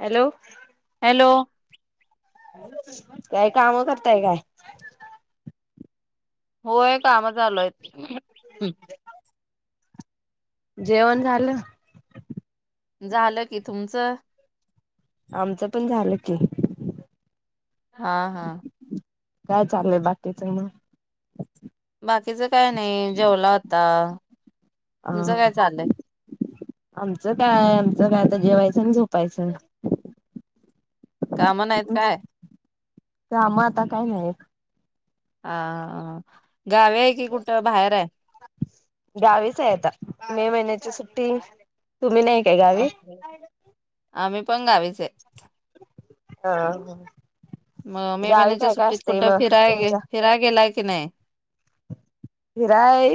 Hello hello काय काम करताय काय? होय काम चालू हाईत. [unintelligible] जेवण झालं? झालं की, तुमचं? आमचं पण झालं की. हा हा काय चालू हाय बाकीचं मग? बाकीच काय नाही जेवलो आता, अ तुमचं काय चाललय? आमचं काय आमचं काय आता जेवायचं आणि झोपायचं. [inaudible] काम नाहीत काय? काम आता काय नाहीत. हा हा, गावी आहे की कुठं बाहेर हाय? गावीच आहे आता मे महिन्याची सुट्टी तुम्ही नाही काय गावी आम्ही पण गावीच आहे. हा हा मग मे महिन्याच्या सुट्टीत कुठं फिराय तुमच्या फिराय गेलाय की नाही? फिराय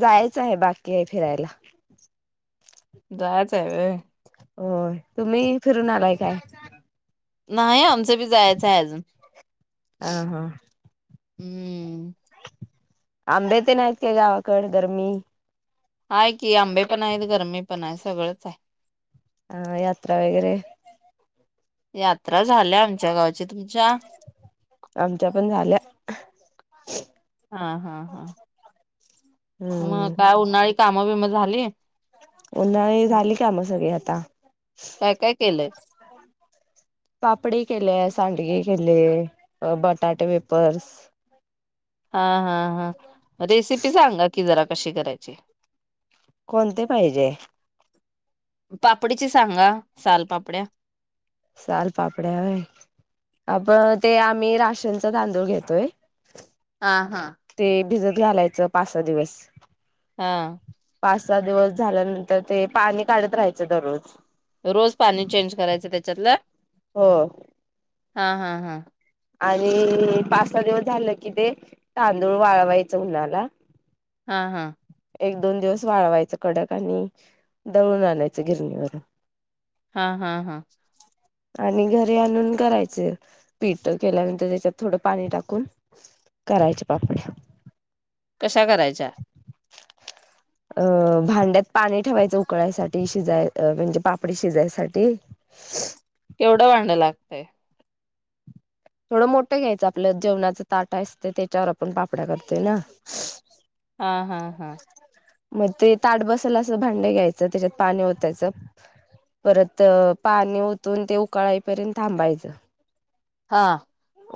जायचं आहे बाकी आहे फिरायला. जायच आहे होय. होय, तुम्ही फिरून आलाय काय? नाही आमचं बी जायचंय अजून ह हा हम्म. आंबे तेन आहेत का गावाकड गरमी? आहे की आंबे पण आहेत गरमी पण आहे सगळंच आहे. अ यात्रा वगैरे, यांत्रा झाल्यां आमच्यां गांवची तुमच्यां आमच्यां पणं झाल्यां हां हां हां हम्म मंग कायं उन्हांळी कामं बिम झालीं उन्हांळी झालीं कामं मगं सगळीं आंता कायं कायं केलंय हम्मं पापडी केले सांडगे केले बटाटे वेफर्स हां हां हां रेसिपी सांगा कि जरां कशी करायची कोणंते पाहिजे पापडीची सांगा सालपापड्यां सालपापड्यांय आपणं ते आम्हीं राशनचां तांदूळ घेतोय हां हां ते भिजतं घालायचं पांच सहा दिवसं हां पांच सहा दिवसं झाल्यांनंतर ते पाणी काढतं रहाचं दररोज रोज पाणी चेंज करायचं त्यांच्यातलं हो हां हां हां आणि पांच सहा दिवसं झालं की ते तांदूळ वाळवायचं उन्हांला हां हां एक दोन दिवसं वाळवायचं कडक आणि दळूंन आणायचं गिरणीवरं हां हां हां आणि घरी आणूंन करायचे पीठ केल्यानंतर त्यांच्यात थोडं पाणी टाकूंन करायचे पापड्यां कश्या करायच्यां [unintelligible] अं भांड्यात पाणी ठेवायचं उकळांयसाठी शिजांय म्हणजे पापडी शिजांयसाठी हं केवढं वाढणं लागतंय थोडं मोठं घ्यायचं आपलं जेवणां चं तांट असतं त्यांच्यावर आपणं पापड्या करतोय नां हां हां हां मंग ते तांट बसेल असं भांडे घ्यायचं त्यांच्यात पाणी ओतायचं परंत पाणी ओतूंन ते उकळां ये पर्यंत थांबायचं हां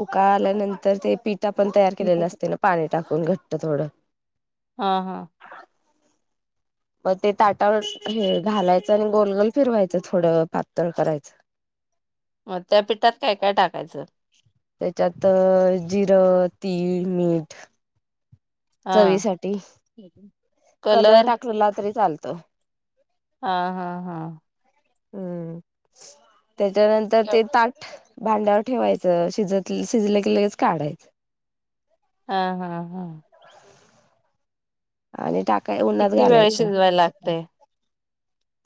उकाळां आल्यानंतर ते पिठां आपणं तयार केलेला असते नां पाणी टाकूंन घंट्ट थोडं हां हां मंग ते तांटावरं घालायचं आणि गोलगोल फिरवायचं थोडं पातळं हम्मं मंग त्यां पिठांत कायं कायं टाकायचं त्यांच्यांत जिरं तीळ मीठ हां कलंर टाकलेला तरी चालतो हां हां हां हम्मं त्यांच्यानंतर ते तांट भांड्यांवर ठेवायचं शिजतं शिजलं की लगेचं काढायचं हां हां हां आणि टाकाय उन्हात किती वेळ घालायचं शिजवाय लागते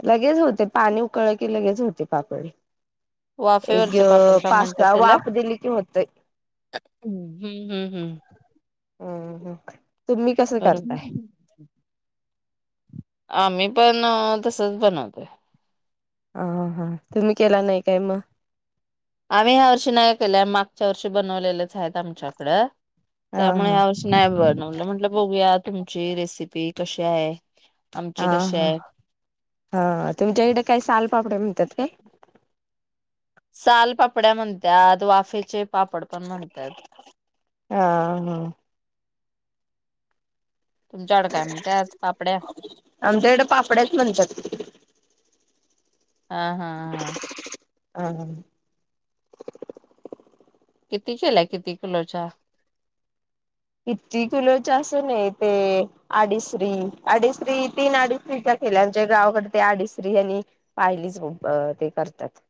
लगेच होते पाणी उकळ की लगेच होते पापड एक वाफेवरचे पापड का पाच सहा वाप दिली की होतय ह्म हम्म हम्म हम्म हम्म हम् तुम्ही कसं करताय बरोबर. आम्ही पण तसच बनवतोय ह हा तुम्ही केला नाही काय मग आम्ही ह्या वर्षी नाही केल्या मागच्या वर्षी बनवलेलेच आहेत आमच्याकडं ह हा त्यामुळे या वर्षी नाही बनवलं म्हटलं बघूया तुमची रेसिपी कशी आहे हा आमची कशी हा आहे. हा तुमच्याकडे काही सालपापडे म्हणतात काय सालपापड्या म्हणतात वाफेचे पापड पण म्हणतात हा हा तुमच्या कड काय म्हणत्यात पापड्या आमच्या इकडें पापड्याच म्हणतात हा हा हा. हा ह किती केलाय किती किलोच्या किती किलोच्या अस नाही ते आडीश्री आडीश्रीचा तीन अडिच केेले गावाकडे ते आडीश्री आणि पाहिलीच ते करतात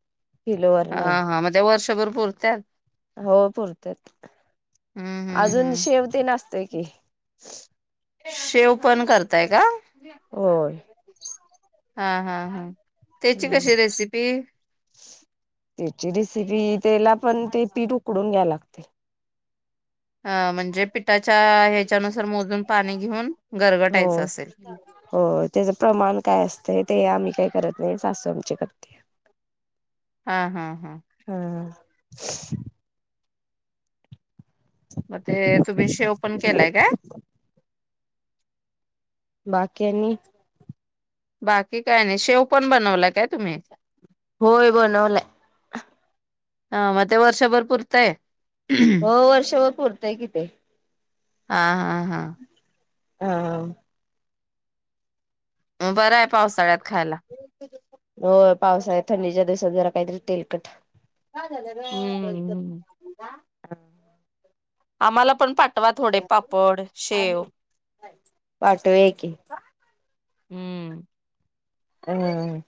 किलोवर हा नाही हां मग त्या वर्षभर पूरत्यात हो पुरत्यात हम्म हम्म अजून हम्म. शेवतीन असते की शेव पण करताय का होय हा हा हा तेची हम्म कशी रेसिपी त्याची रेसिपी त्याला पण ते पीठ उकडून घ्यायला लागते अ म्हणजे पिठाच्या ह्याच्यानुसार मोजून पाणी घेऊन हो गरगटायचं असेल हो त्याचं प्रमाण काय असतं ते आम्ही काही करत नाही सासू आमची करते हा हा हा हा ते तुम्ही शेव पण केलाय काय बाकि आणि बाकी काय नाही शेव पण बनवला काय तुम्ही होय बनवलाय हा मग ते वर्षभर पुरतय हो वर्षभर पुरतय कि ते हा हा हा हा बरं आहे पावसाळ्यात खायला हो पावसाळ्यात थंडीच्या दिवसात जरा काहीतरी तेलकट काय झालं रे हम्म [unintelligible] आम्हाला पण पाठवा थोडे पापड शेव पाठवूया की. हम्म हम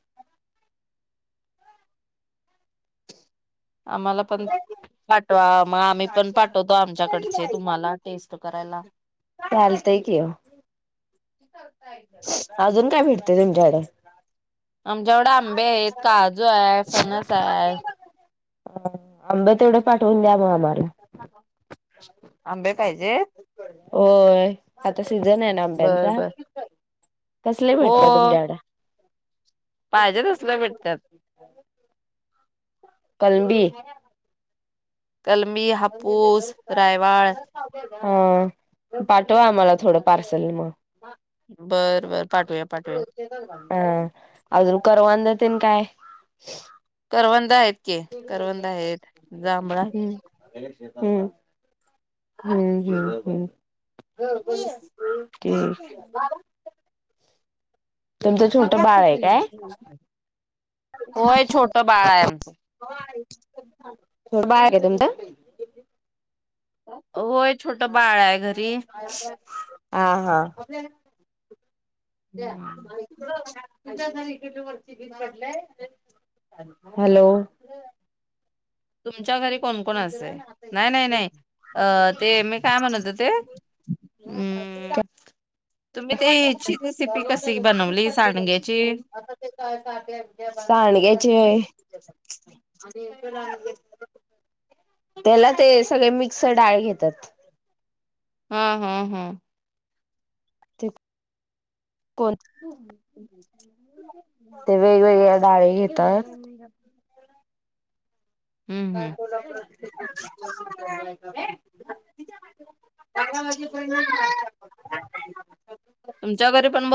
आम्हाला पण पाठवा मग आम्ही पण पाठवतो आमच्याकडचे तुम्हाला टेस्ट करायला. चालतंय की हो. करताय का [unintelligible] अजून काय भेटते तुमच्याकडे? आमच्याकडे आंबे आहेत, काजू आहे, फनस आहे. अ आंब तेवढे पाठवून द्या म आम्हाला. आंबे पाहिजे? होय, आता सीझन आहे ना बर आंब्यांचा. बर कसले हो भेटता तुमच्या कड? पाहिजे तसले भेटतात. कलमी कलमी, हापुस, रायवाळ हम्म, पाठवा आम्हाला थोडं पार्सल मग. बर, बर पाठूया, पाठूया. ह अजुन करवंद तेन काय? करवंद आहेत. की करवंद आहेत, हम्म. जांभळा हम्म, हम्म, हम्म, हम्म. [unintelligible] तुमचं छोट बाळ आहे काय? होय, छोट बाळ आहे आमचं. बाळ आहे तुमच? होय, छोट बाळ आहे घरी. हा हा. त्या हम्म. [unintelligible] हॅलो. तुमच्या घरी कोण, कोण असे? नाही, नाही नाही अ ते मी काय म्हणत होते. ह अम्म [unintelligible] तुम्ही ते ह्या ची रेसिपी कशी बनवली सांडग्याची? सांडग्याची होय. त्याला ते सगळे मिक्स डाळ घेतात. हा, हा, हं. ते कोण? हम्म हम्म ते वेगवेगळ्या डाळी घेतात. काय बोला प्र [unintelligible] [unintelligible] तुमच्या घरी पण भ